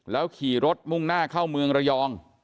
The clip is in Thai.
ขี่รถมุ่งหน้าเข้าเมืองระยอง